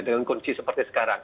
dengan kondisi seperti sekarang